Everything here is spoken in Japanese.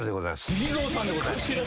ＳＵＧＩＺＯさんでございます。